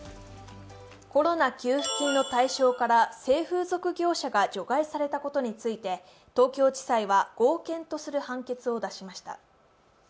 コロナ給付金の対象から性風俗業者が除外されたことについて、東京地裁は合憲とする判決を出しました。